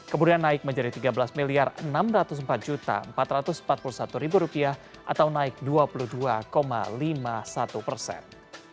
kemudian naik menjadi tiga belas enam ratus empat empat ratus empat puluh satu atau naik dua puluh dua lima puluh satu persen